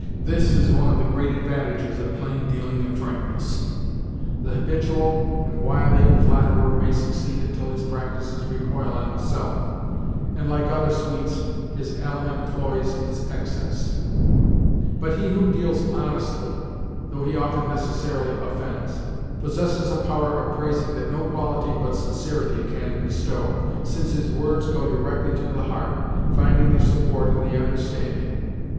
This is one of the great advantages of plain dealing and frankness. The habitual and wily flatterer may succeed until his practices recoil on himself, and like other sweets his aliment cloys by its excess; but he who deals honestly, though he often necessarily offends, possesses a power of praising that no quality but sincerity can bestow, since his words go directly to the heart, finding their support in the understanding.